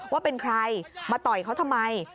ว่าเป็นใครมาต่อยเขาทำไม